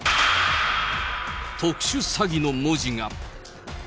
特殊詐欺の文字が。